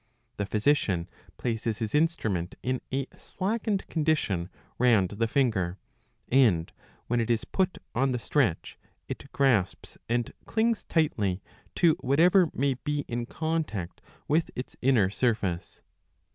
The physician places his instrument in a slackened condition round the finger ; and, when it is put on the stretch, it grasps and clings tightly to whatever may be in contact with its inner surface.